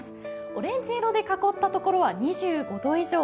オレンジ色で囲った所は２５度以上。